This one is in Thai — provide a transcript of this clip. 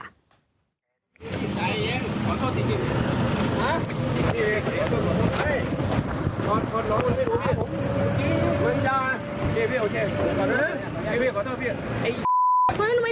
อ้าวมไปที่เอนี้